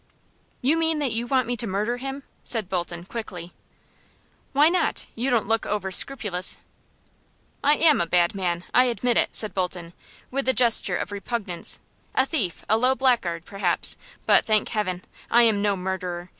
"You mean that you want me to murder him?" said Bolton, quickly. "Why not? You don't look over scrupulous." "I am a bad man, I admit it," said Bolton, with a gesture of repugnance, "a thief, a low blackguard, perhaps, but, thank Heaven! I am no murderer!